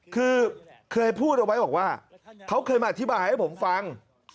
คือเคยพูดเอาไว้บอกว่าเขาเคยมาอธิบายให้ผมฟัง